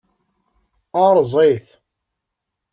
Erẓ-it.